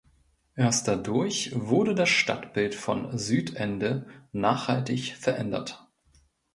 Erst dadurch wurde das Stadtbild von Südende nachhaltig verändert.